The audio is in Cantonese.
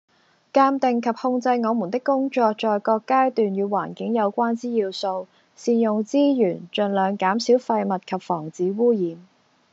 鑑定及控制我們的工作在各階段與環境有關之要素，善用資源，盡量減少廢物及防止污染